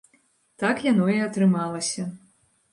Так яно і атрымалася.